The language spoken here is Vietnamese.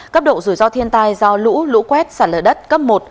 cấp độ rủi ro thiên tai do lũ lũ quét sạt lở đất cấp một